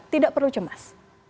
tidak perlu cemas